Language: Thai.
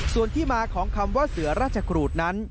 ส่วนที่มาของคำว่าเสือราชกรูดนั้น